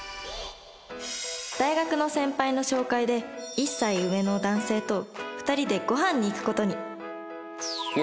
大学の先輩の紹介で１歳上の男性と２人でご飯に行く事に